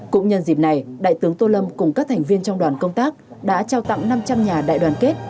cũng nhân dịp này đại tướng tô lâm cùng các thành viên trong đoàn công tác đã trao tặng năm trăm linh nhà đại đoàn kết